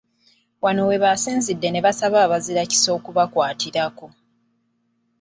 Wano we basinzidde ne basaba Abazirakisa okubakwatirako.